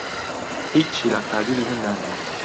هیچی لە قابیلی مندا نییە